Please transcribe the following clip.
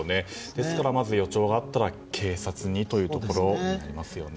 ですからまず予兆があったら警察にというところですね。